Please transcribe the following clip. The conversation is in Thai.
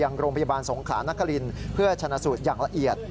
อย่างโรงพยาบาลสงขลาณกะลินเพื่อชนะสูตรอย่างละเอียด